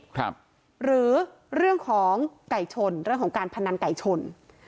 หรือเรื่องของไก่ชนเรื่องของการพนันไก่ชน